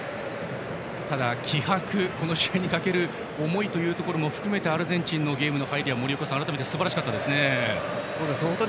ただ、気迫この試合にかける思いというのもアルゼンチンのゲームの入り森岡さん、改めてすばらしかったですね。